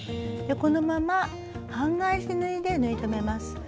このまま半返し縫いで縫い留めます。